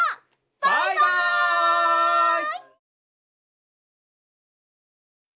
バイバイ！